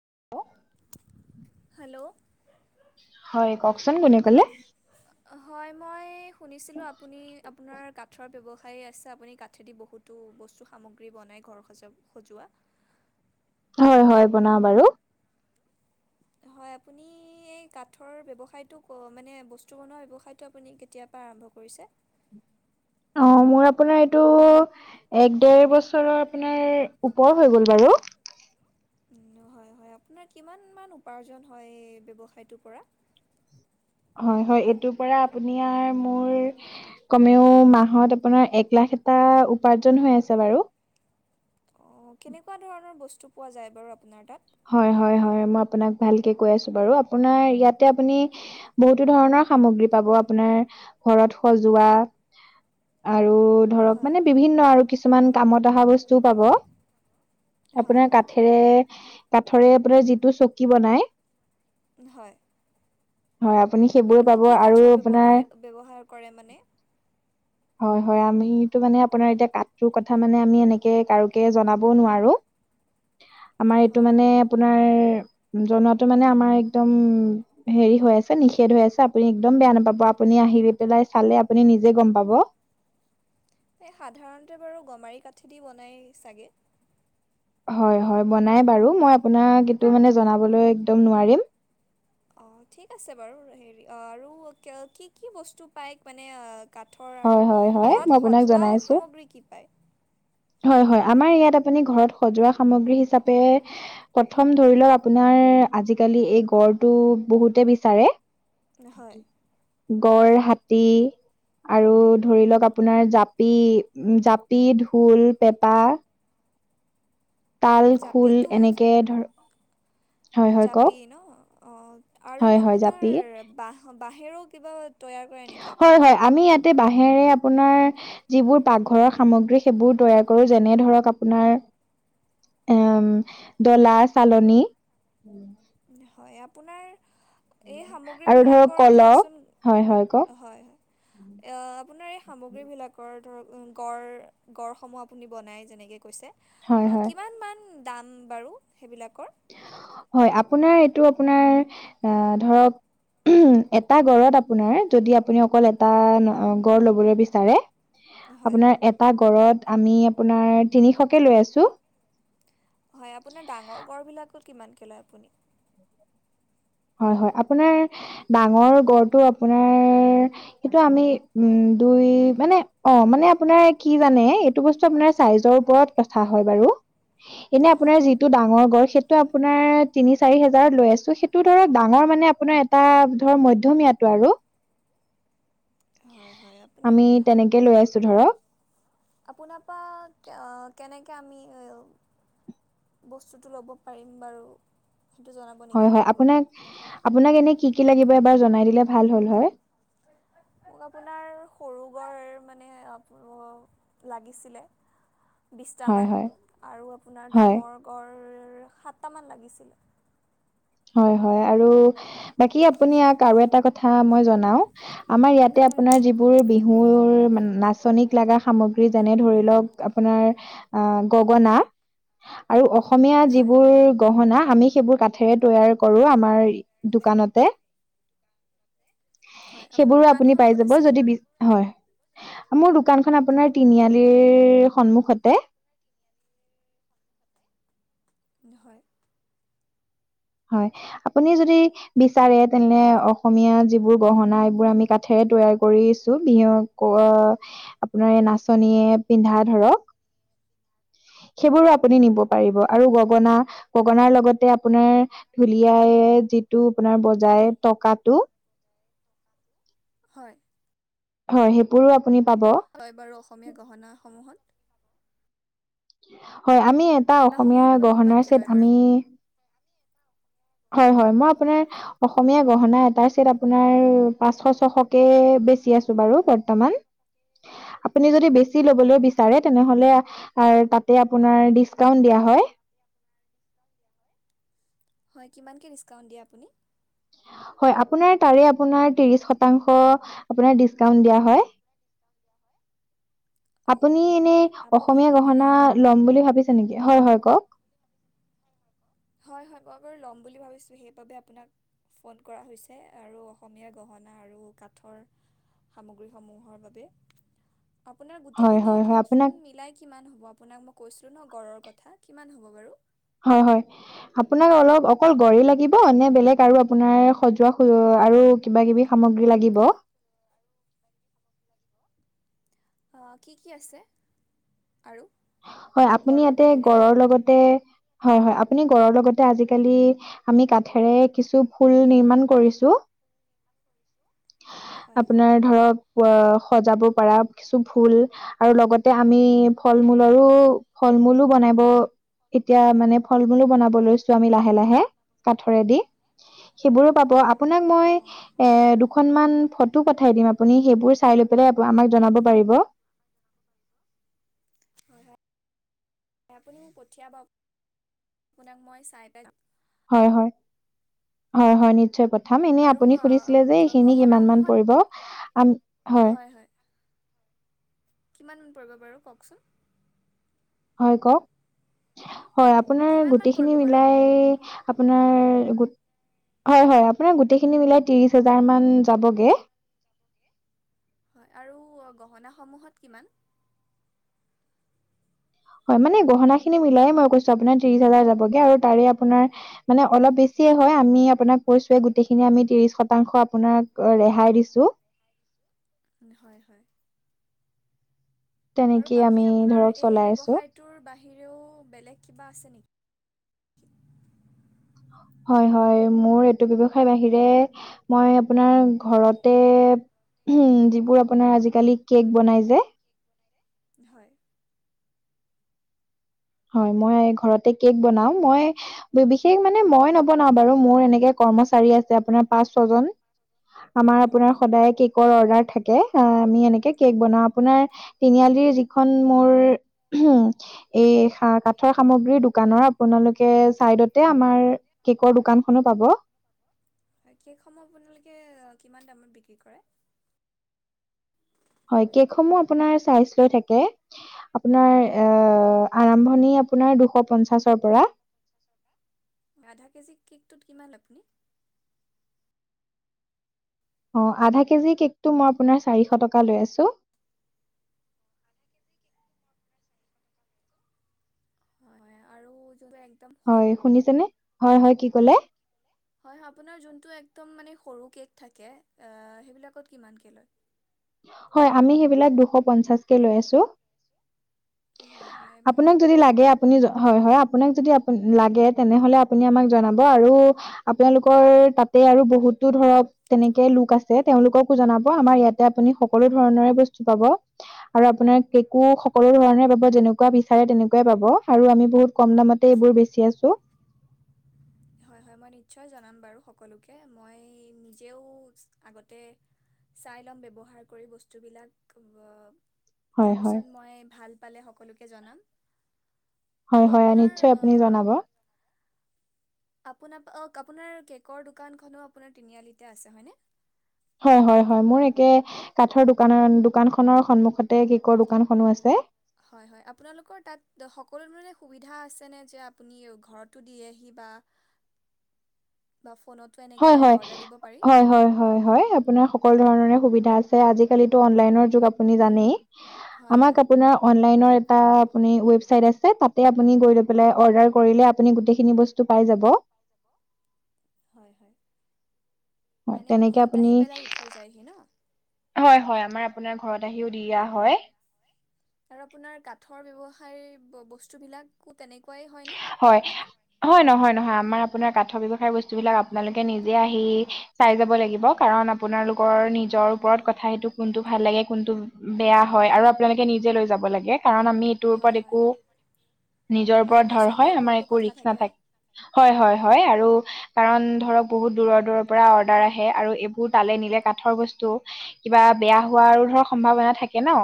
Hello. Hello হয় কওকচোন কোনে ক'লে? হয় মই শুনিছিলো আপুনি আপোনাৰ কাঠৰ ব্যৱসায় আছে আপুনি কাঠেদি বহুতো বস্তু সামগ্ৰী বনাই ঘৰ সজা সজোৱা। [inaudible] হয় হয় বনা বাৰু। হয় আপুনি নি কাঠৰ ব্যৱসায়টো মানে বস্তু বনোৱা ব্যৱসায়টো আপুনি কেতিয়া পৰা আৰম্ভ কৰিছে? অ মোৰ আপোনাৰ এইটো এক ডেৰ বছৰৰ আপোনাৰ ওপৰ হৈ গ'ল বাৰু। হয় হয়, আপোনাৰ কিমান মান উপাৰ্জন হয় এই ব্যৱসায়টোৰ পৰা? হয় হয় এইটোৰ পৰা আপুনি আৰ মোৰ কমেও মাহত আপোনাৰ এক লাখ এটা উপাৰ্জন হৈ আছে বাৰু। অ কেনেকুৱা ধৰণৰ বস্তু পোৱা যায় বাৰু আপোনাৰ তাত? হয় হয় হয় মই আপোনাক ভালকে কৈ আছো বাৰু, আপোনাৰ ইয়াতে আপুনি বহুতো ধৰণৰ সামগ্ৰী পাব আপোনাৰ ঘৰত সজোৱা আৰ আৰু ধৰক হয় মানে বিভিন্ন আৰু কিছুমান কামত অহা বস্তুও পাব। হয় আপোনাৰ কাঠেৰে কাঠৰে আপোনাৰ যিটো চকী বনাই হয়। হয় আপুনি সেইবোৰ পাব কি আৰু কাঠৰ আপোনাৰ, ব্যৱহাৰ ব্যৱহাৰ কৰে মানে হয়। হয় আমিতো মানে আপোনাৰ এতিয়া কঠটোৰ কথা মানে আমি এনেকে কাৰোকে জনাব নোৱাৰো। আমাৰ এইটো হয় মানে আপোনাৰ জনোৱাটো মানে আমাৰ একদম হেৰি হৈ আছে নিষেধ হৈ আছে আপুনি একদম বেয়া নেপাব। আপু আপুনি আহি পেলাই চালে আপুনি নিজে গম পাব। এ সাধাৰণতে বাৰু গমাৰি কাঠিদি বনাই চাগে? হয় হয় বনাই বাৰু, মই আপোনাক এইটো মানে জনাবলৈ একদম নোৱাৰিম। অ ঠিক আছে বাৰু হেৰি অ আৰু কি কি বস্তু পাই মানে আ কাঠৰ আৰু হয় হয় হয় মই ঘৰত আপোনাক সজোৱা জনাইছো সামগ্ৰী কি পায়? হয় হয় আমাৰ ইয়াত আপুনি ঘৰত সজোৱা সামগ্ৰী হিচাপে প্ৰথম ধৰি লওক আপোনাৰ আজিকালি এই গড়টো বহুতে বিচাৰে হয় গড়, হাতী আৰু ধৰি লওক আপোনাৰ জাপি জাপি ঢোল পেপা তাল খোল জাপিটো এনেকে ধৰ হয় হয় জাপি কওক ন অ' আৰু হয় হয় জাপি আপোনাৰ বাহ বাহৰেও কিবা তৈয়াৰ কৰে নেকি হয় আপুনি হয় আমি ইয়াতে বাহিৰ বাঁহেৰে আপোনাৰ যিবোৰ পাকঘৰৰ সামগ্ৰী সেইবোৰ তৈয়াৰ কৰো যেনে ধৰক আপোনাৰ উম দলা চালনী হয় আপোনাৰ এই আৰু ধৰক সামগ্ৰীবিলাকৰ কলহ ধৰকচোন হয় হয় কওক হয় হয় আপোনাৰ এই সামগ্ৰীবিলাকৰ ধৰক গঁড় গঁড়সমূহ আপুনি বনাই যেনেকে কৈছে হয় হয় কিমানমান দাম বাৰু সেইবিলাক হয় আপোনাৰ এইটো আপোনাৰ আহ ধৰক উম এটা গড়ত আপোনাৰ যদি আপুনি অকল এটা গড় লবলৈ বিচাৰে হয় আপোনাৰ এটা গড়ত আমি আপোনাৰ তিনিশকে লৈ আছো হয় আপোনাৰ ডাঙৰ গড় বিলাকত কিমানকে লয় আপুনি হয় হয় আপোনাৰ ডাঙৰ গড়টো আপোনাৰ সেইটো আমি উম দুই মানে অ মানে আপোনাৰ কি জানে এইটো বস্তু আপোনাৰ চাইজৰ ওপৰত কথা হয় বাৰু এনে আপোনাৰ হয় যিটো ডাঙৰ গড় সেইটো আপোনাৰ তিনি চাৰি হাজাৰত লৈ আছো সেই টো ধৰক ডাঙৰ মানে আপোনাৰ এটা ধৰ মধ্যমীয়াটো আৰু হয়। আপুনি আমি তেনেকে লৈ আছো ধৰক তাকে আমি বস্তুটো ল'ব পাৰিম বাৰু। সেইটো জনাব হয়, নেকি হয় আপোনাক আপোনাক এনে কি কি লাগিব এবাৰ জনাই দিলে ভাল হ'ল হৈ। [inaudible] মোক আপোনাৰ সৰু গড় মানে আৰু লাগিছিলে। হয় বিছটামান হয় আৰু আপোনাৰ হয় ডাঙৰ গড় সাত তামান লাগিছিলে। হয়, হয় আৰু বাকী আপুনি ইয়াক আৰু এটা কথা মই জনাওঁ আমাৰ ইয়াতে হয় আপোনাৰ যিবোৰ বহুৰ নাচনীক লগা সামগ্ৰী যেনে ধৰি লওক আপোনাৰ গগনা আৰু অসমীয়া হয় যিবোৰ গহনা আমি সেইবোৰ কাঠেৰে তৈয়াৰ কৰো আমাৰ দোকানতে। হয় আপোনাৰ সেইবোৰো আপুনি দোকানখন পাই ক'ত যাব আছিল যদি বি হয়। মোৰ দোকানখন আপোনাৰ তিনিআলিৰ সন্মুখতে। [inaudible] হয়। হয়, আপুনি যদি বিচাৰে তেনেলে অসমীয়া যিবোৰ গহনা এইবোৰ আমি কাঠেৰে তৈয়াৰ কৰিছো বিহু আপোনাৰ এই নাচনীয়ে পিন্ধা ধৰক। [inaudible] সেইবোৰো আপুনি নিব পাৰিব আৰু গগনা গগনাৰ লগতে আপোনাৰ ঢুলিয়াই যিটো আপোনাৰ বজাই টকাটো হয়। হয় সেইবোৰো আপুনি পাব হয় বাৰু অসমীয়া গহনাসমূহত হয় আমি এটা অসমীয়া গহনাসমূহত আপুনি গহনাৰ কিমানকৈ চেট লয় বাৰু আমি হয় হয় মই আপোনাৰ অসমীয়া গহনা এটাৰ চেট আপোনাৰ পাঁচশ ছশকে বেছি আছো বাৰু বৰ্তমান। আপুনি যদি বেছি ল'বলৈ বিচাৰে তেনেহ'লে এ তাতে আপোনাৰ দিছকাউন্ট দিয়া হয়। হয় কিমানকৈ ডিছকাউণ্ট দিয়ে আপুনি? হয় আপোনাৰ তাৰে আপোনাৰ ত্ৰিশ শতাংশ আপোনাৰ দিছকাউন্ট দিয়া হয়। [inaudible] অঁ আপুনি অঁ এনেই আপুনি অসমীয়া মানে গহনা লম বুলি ভাবিছে নেকি? হয়, হয় কওক। হয়, হয় মই বাৰু ল'ম বুলি ভাবিছো। সেই বাবে আপোনাক ফোন কৰা হৈছে আৰু অসমীয়া গহনা আৰু কাঠৰ সামগ্ৰীসমূহৰ বাবে। আপোনাৰ হয় গোটেইখিনি হয় হয় আপোনাক ধৰকচোন মিলাই কিমান হ'ব আপোনাক মই কৈছো এইটো ন গড়ৰ কথা কিমান হ'ব বাৰু? হয় হয় আপোনাক অলপ অকল গড় লাগিব নে বেলেগ আৰু আপোনাৰ সজোৱা আৰু কিবা কিবি সামগ্ৰী লাগিব? কি কি আছে? আৰু হয় আপুনি গড়ৰ ইয়াতে বাহিৰে গড়ৰ লগতে হয়, হয় আপুনি গড়ৰ লগতে আজিকালি আমি কাঠেৰে কিছু ফুল নিৰ্মাণ কৰিছো। হয় হয় আপোনাৰ ধৰক সজাব পৰা কিছু ভুল আৰু লগতে আমি ফল মূল আৰু ফল মূলো বনাব এতিয়া মানে ফল মূলো বনাব লৈছো আমি লাহে লাহে কাঠৰেদি। সেইবোৰো পাব আপোনাক অঁ মই অঁ এ দুখনমান ফটো পঠাই দিম আপুনি সেইবোৰ চাই ল পাই আমাক জনাব পাৰিব। আপুনিক পঠিয়াব। আপোনাক মই চাই হয় হয় হয় হয় নিশ্চয় প পঠাম এনে আৰু আপুনি সুধিছিলে যে এইখিনি কিমান মান গহনাসমূহত পৰিব হয়। [inaudible] কিমানমান পৰিব বাৰু কওকচোন? হয় কওক হয় আপোনাৰ কিমানমান পৰিব গোটেখিনি বাৰু মিলাই আপোনাৰ গোট হয় হয় আপোনাৰ গোটেইখিনি মিলাই ত্ৰিশ হাজাৰ যাবগে। হয় আৰু গহনাসমূহত কিমান? হয় মানে গহনা খিনি মিলাই মই কৈছো আপোনাৰ ত্ৰিশ হাজাৰ যাবগে আৰু তাৰে আপোনাৰ মানে অলপ বেছি হয় আমি আপোনাক কৈছে গোটেইখিনি আমি ত্ৰিশ শতাংশ আপোনাক ৰেহাই দিছো। [inaudible] হয় হয়। আৰু তেনেকেই আমি বাকী আপোনাৰ ধৰক এই চলাই আছোঁ। ব্যৱসায়টোৰ বাহি বাহিৰেও বেলেগ কিবা আছে নেকি? হয় হয় মোৰ এইটো ব্যৱসায় বাহিৰে মই আপোনাৰ ঘৰতে উম যিবোৰ আপোনাৰ আজিকালি কেক বনাই যে। হয়। হয় মই ঘৰতে কেক বনাও মই বিশেষ মানে মই নবনাও বাৰু মোৰ এনেকে কৰ্মচাৰী আছে আপোনাৰ পাঁচ ছয় জন আমাৰ হয় আপোনাৰ সদায় কে অৰ্ডাৰ থাকে আমি এনেে কেক বও আপোনাৰ তিনিআলি যিখন মোৰ এই কাঠৰ সামগ্ৰীৰ দোকানৰ আপোনালোকে চাইডতে আমাৰ কেকৰ দোকানখন পাব। [inaudible] কেকসমূহ আপোনালোকে কিমান দামত বিক্ৰী কৰে? হয় কেকসমূহ আপোনাৰ চাইজ লৈ থাকে আপোনাৰ আৰম্ভনি অপোনাৰ দুশ পঞ্চাচৰ পৰা। আধা কেজি কেকটোত কিমান লয় আপুনি? অ আধা কেজি কেকটো মই আপোনাৰ চাৰিশ টকা লৈ আছো। [inaudible] ত একদম হয় শুনিছেনে হয় হয় কি কলে? হয় অপোনাৰ যোনটো একদম মানে সৰু কেক থাকে, অ সেইবিলাকক কিমান থাকে। হয় আমি সেইবিলাক দুশ পঞ্চাছকে লৈ আছোঁ। হয় হয় মই আপোনাক যদি লাগে আপুনি হয় হয় আপোনাক যদি লাগে তেনেহলে আপুনি জনাব আৰু আপোনালোকৰ তাতে আৰু বহুত দূৰ ধৰক তেনেকে লোক আছে তেওঁলোককো জনাব। আমাৰ ইয়াত আপুনি সকলো ধৰণৰে বস্তু পাব আৰু আপোনাৰ কেকো সকলো ধৰণৰে পাব যেনেকুৱা বিচাৰে তেনেকুৱাই পাব আৰু আমি বহুত কম দামতে এইবোৰ বেচি আছো। হয় হয় মই নিশ্চয় জনাম বাৰু সকলোকে মই নিজেও আগতে চাই ল'ম ব্যৱহাৰ কৰি বস্তুবিলাক অ। হয় হয় তাৰপিছত মই ভাল পালে সকলোকে জনাম। আৰু হয় হয় আপোনাৰ নিশ্চয় আপুনি জনাব। আপোনাক অ আপোনাৰ কেকৰ দোকান খনো তিনিআলিতে আছে ন। হয় হয় হয় মোৰ একে কাঠৰ দোকানৰ দোকানখনৰ সন্মুখতে কেকৰ দোকানখনো আছে। হয় হয় আপোনালোকৰ তাত সকলো ধৰণে সুবিধা আছে নে যে আপুনি ঘৰতো দিয়ে হি বা অ [inaudible] বফ হয় হয় হয় হয় হয় হয় আপোনাৰ সকলো ধৰণৰে সুবিধা আছে, আজিকালি টো অনলাইনৰ যুগ আপুনি জানেই হয় হয় আমাক অপোনাৰ অন নহয় নহয়, তাত আপুনি ৱেবচাইট আছে, তাতেই আপুনি গৈ পেলাই অৰ্দাৰ কৰিলে আপুনি গোটেইখিনি বস্তু পাই যাব [inaudible] হয় মানে তেনেকে ঘৰত আপুনি, আহি পেলাই দি থৈ যায়হি ন হয় হয়, আমাৰ আপোনাৰ ঘৰত আহিও দিয়া হয়। আৰু আপোনাৰ কাঠৰ ব্যয়ৱসায় বস্তু বিলাকো তেনেকুৱাই হয় ন? হয়। হয়। নহয় নহয় আমাৰ আপোনাৰ কাঠৰ ব্যয়ৱসায় বস্তু বিলাক আপোনালোকে নিজে আহি চাই যাব লাগিব। কাৰন আপোনালোকৰ নিজৰ ওপৰত কথা সেইটো কোনটো ভাল লাগে কোনটো বেয়া হয়। আৰু আপোনালোকে নিজে লৈ যাব লাগে, কাৰণ আমি এইটোৰ হয় ওপৰত হয় একো হয় নিজৰ মানে ওপৰত ধৰ পচন্দৰ হয় আমাৰ ওপৰতো একো কথা ৰিক্স থাকে নাথাকে। হয়, হয় আৰু কাৰন ধৰক বহুত দূৰৰ দূৰৰ পৰা অৰ্ডাৰ আহে, আৰু এইবোৰ তালে নিলে কাঠৰ বস্তু কিবা বেয়া হ ৱাৰো সম্ভাৱনা থাকে ন,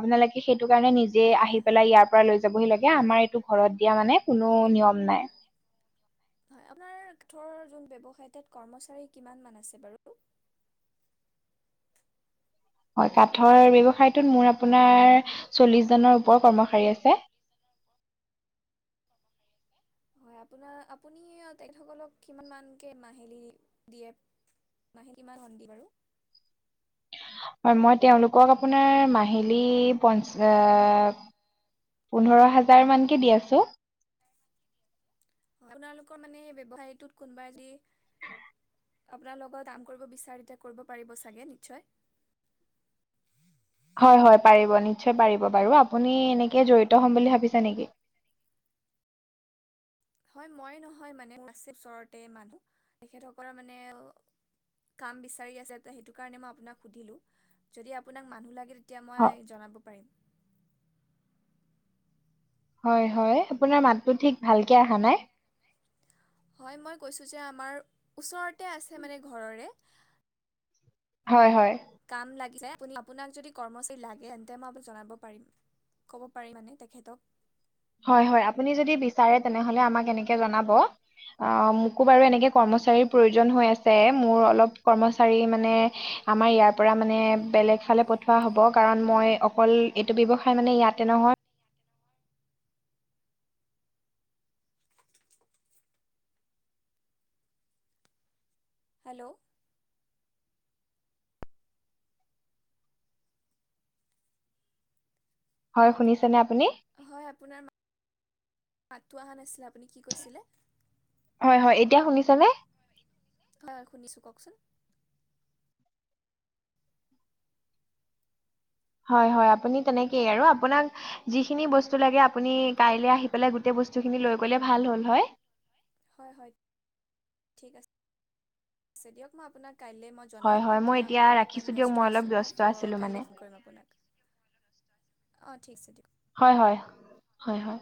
আপোনালোকে সেইটো কাৰণে নিজ জেই আহি হয় পেলাই হয়। ইয়াৰ পৰা লৈ যাবহি লাগে, আমাৰ এইটো ঘৰত দিয়া মানে কোনো নিয়ম নাই। [unintelligible] হয়। কাঠৰ ব্যৱসায়টোত মোৰ আপোনাৰ চল্লিশজনৰ ওপৰ কৰ্মচাৰী আছে। হয়। আপোনাৰ আপুনি তেখেতসকলক কিমান মানকে মাহিলী দিয়ে মাহেতিী ইমান সন্ন্দি বাৰু [unintelligible] উ [unintelligible] হয় মই তেওঁলোকক আপোনাৰ মাহিলী পঞ্চা পোন্ধৰ হাজাৰ মানকে দি আছো। াল [unintelligible] আপোনাৰ লগত কাম কৰিব বিচাৰে এতিয়া কৰিব পাৰিব চাগে নিশ্চয়। হয়, হয় পাৰিব নিশ্চয় পাৰিব বাৰু, আপুনি এনেকৈ জড়িত হ'ম বুলি ভাবিছে নেকি? হয় মই নহয় মানে মোৰ ওচৰতে মানুহ তেখেতসকলৰ মানে [unintelligible] এতিয়া হ মই জনাব পাৰিম। হয়, হয় আপোনাৰ মাতটো ঠিক ভালকে অহা নাই। হয় মই কৈছো যে আমাৰ ওচৰতে আছে মানে ঘৰৰে হয়, হয়। [unintelligible] আপোনাক যদি কৰ্মচাৰী লাগে তে জনাব পাৰিম। ক'ব পাৰি মানে তেখেতক হয় হয় আপুনি যদি বিচাৰে তেনেহলে আমাক এনেকে জনাব। অ' মোকো বাৰু এনেকে কৰ্মচাৰীৰ প্ৰয়োজন হৈ আছে, মোৰ অলপ কৰ্মচাৰী মানে আমাৰ ইয়াৰ পৰা মানে বেলেগ ফালে পঠোৱা হব কাৰণ মই অকল এইটো ব্যৱসায় মানে ইয়াতে নহ হয়। হেল্ল' হয় শুনিছেনে আপুনি? হয় আপোনাৰ মাতটো অহা নাছিলে। আপুনি কি কৈছিলে? হয় হয় এতিয়া শুনিছানে? হয় শুনিছো কওকচোন। হয় হয় আপুনি তেনেকেই আৰু, আপোনাক যিখিনি বস্তু লাগে আপুনি কাইলৈ আহি পেলাই গোটেই বস্তু খিনি লৈ গ'লে ভাল হ'ল হয়। হয় হয়, ঠিক আছে। দিয়ক মই আপোনাক কাইলৈ মই জনাম, হয় হয় এতিয়া মই অলপমান ৰাখিছোঁ দিয়ক ব্যস্ত অলপ আছোঁ মই ব্যস্ত আছিলোঁ মানে কাইলৈ ফোন কৰিম আপোনাক। অ' ঠিক আছে দিয়ক। হয় হয় হয় হয়।